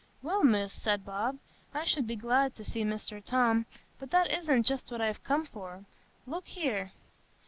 "Well, Miss," said Bob, "I should be glad to see Mr Tom, but that isn't just what I'm come for,—look here!"